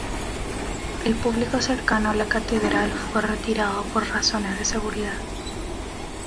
El público cercano a la catedral fue retirado por razones de seguridad.